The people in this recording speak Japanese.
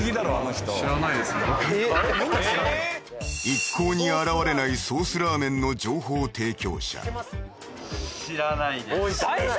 一向に現れないソースラーメンの情報提供者知ってます？